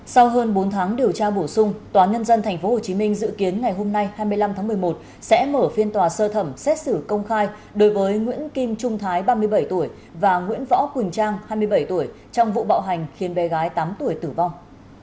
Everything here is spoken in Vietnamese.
sau hơn bốn tháng điều tra bổ sung tòa nhân dân tp hcm dự kiến ngày hôm nay hai mươi năm tháng một mươi một sẽ mở phiên tòa sơ thẩm xét xử công khai đối với nguyễn kim trung thái ba mươi bảy tuổi và nguyễn võ quỳnh trang hai mươi bảy tuổi trong vụ bạo hành khiến bé gái tám tuổi tử vong